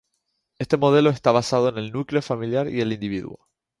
Este modelo está basado en el núcleo familiar y el individuo.